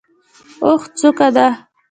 اوښ څوکه ده.